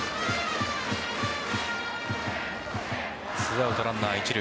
２アウトランナー一塁。